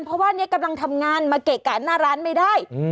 เพราะว่าเนี่ยกำลังทำงานมาเกะกะหน้าร้านไม่ได้